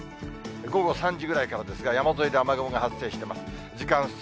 午後３時ぐらいからですが、山沿いで雨雲が発生してます。